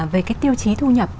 về cái tiêu chí thu nhập